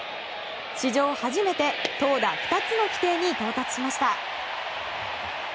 史上初めて投打２つの規定に到達しました。